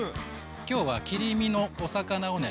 今日は切り身のお魚をね。